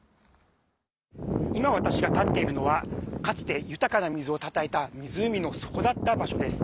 今、私が立っているのはかつて豊かな水をたたえた湖の底だった場所です。